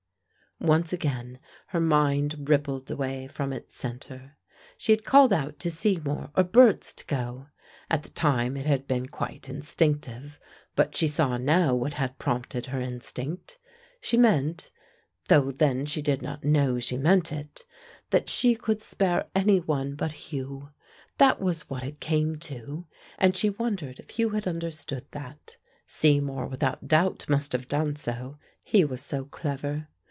Once again her mind rippled away from its center. She had called out to Seymour or Berts to go. At the time it had been quite instinctive, but she saw now what had prompted her instinct. She meant though then she did not know she meant it that she could spare any one but Hugh. That was what it came to, and she wondered if Hugh had understood that. Seymour without doubt must have done so: he was so clever.